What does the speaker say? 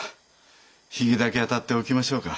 髭だけあたっておきましょうか。